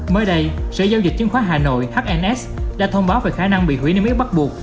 mới đây sở giao dịch chứng khoán hà nội hns đã thông báo về khả năng bị hủy niêm yết bắt buộc